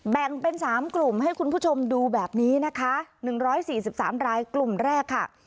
แบ่งเป็นสามกลุ่มให้คุณผู้ชมดูแบบนี้นะคะหนึ่งร้อยสี่สิบสามรายกลุ่มแรกค่ะ